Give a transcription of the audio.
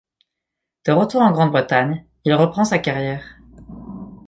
De retour en Grande-Bretagne, il reprend sa carrière.